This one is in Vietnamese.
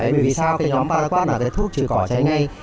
bởi vì sao cái nhóm paraquat là cái thuốc chữa cỏ cháy ngay